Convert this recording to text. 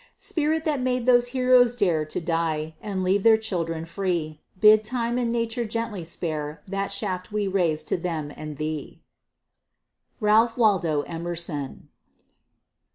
Spirit that made those heroes dare To die, and leave their children free, Bid Time and Nature gently spare The shaft we raise to them and thee. RALPH WALDO EMERSON.